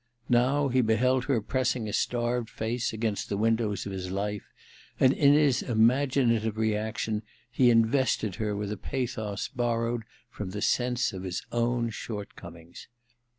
Now he beheld her pressing a starved i&ce against the windows of his life, and in his imaginative reaction he invested her with a pathos borrowed from the sense of his own shortcomings.